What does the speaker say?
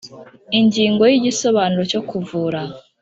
Ingingo ya igisobanuro cyo kuvura